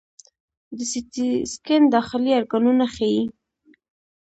د سی ټي سکین داخلي ارګانونه ښيي.